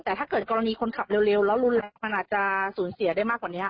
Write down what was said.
แต่ถ้าเกิดกรณีคนขับเร็วแล้วรุนแรงมันอาจจะสูญเสียได้มากกว่านี้